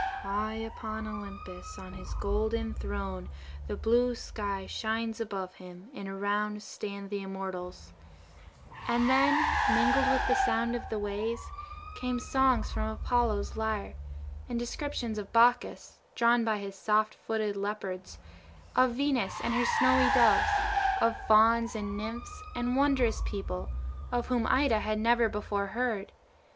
"High upon Olympus, on his golden throne, the blue sky shines above him, and around stand the immortals;" and then, mingled with the sound of the waves, came songs from Apollo's lyre, and descriptions of Bacchus, drawn by his soft footed leopards, of Venus and her snowy doves, of fauns and nymphs, and wondrous people, of whom Ida had never before heard.